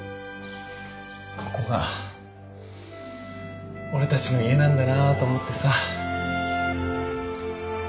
ここが俺たちの家なんだなと思ってさ